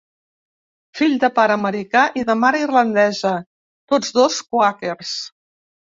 Fill de pare americà i de mare irlandesa, tots dos quàquers.